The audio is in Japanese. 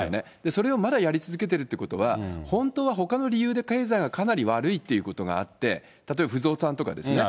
それがまだやり続けてるということは、本当はほかの理由で経済がかなり悪いということがあって、例えば不動産とかですね。